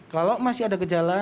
kalau masih ada gejala